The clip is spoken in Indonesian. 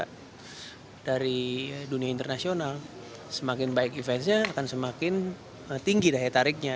karena dari dunia internasional semakin baik eventnya akan semakin tinggi daya tariknya